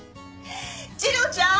次郎ちゃん！